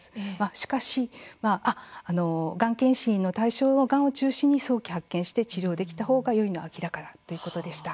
しかし、がん検診の対象のがんを中心に早期発見し治療できたほうがよいのは明らかということでした。